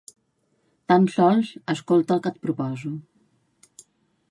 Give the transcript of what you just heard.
Tan sols escolta el que et proposo.